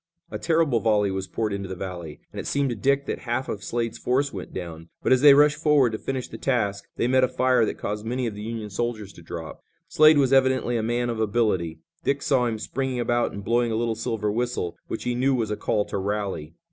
A terrible volley was poured into the valley, and it seemed to Dick that half of Slade's force went down, but as they rushed forward to finish the task they met a fire that caused many of the Union soldiers to drop. Slade was evidently a man of ability. Dick saw him springing about and blowing a little silver whistle, which he knew was a call to rally.